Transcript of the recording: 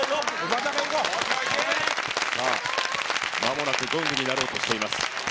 さあ、まもなくゴングになろうとしています。